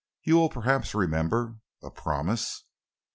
You will perhaps remember a promise."